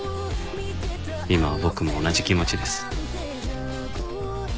今は僕も同じ気持ちです。